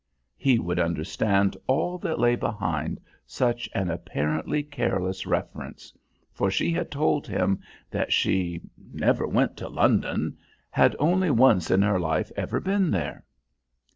He would understand all that lay behind such an apparently careless reference, for she had told him that she "never went to London," had only once in her life ever been there.